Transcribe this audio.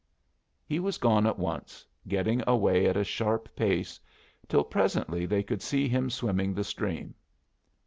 He was gone at once, getting away at a sharp pace, till presently they could see him swimming the stream.